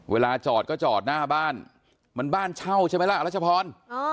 เวลาจอดก็จอดหน้าบ้านมันบ้านเช่าใช่ไหมล่ะอรัชพร